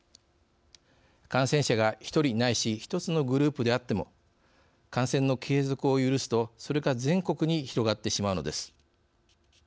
感染者が１人ないし１つのグループであっても感染の継続を許すとそれが全国に広がってしまうのです。